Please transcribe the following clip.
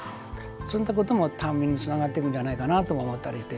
そういったことも淡味につながってくるんじゃないかなと思って。